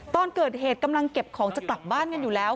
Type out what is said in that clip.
ตอนเกิดเหตุกำลังเก็บของจะกลับบ้านกันอยู่แล้ว